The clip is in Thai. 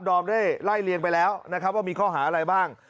อมได้ไล่เลียงไปแล้วนะครับว่ามีข้อหาอะไรบ้าง